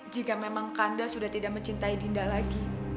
jika memang kanda sudah tidak mencintai dinda lagi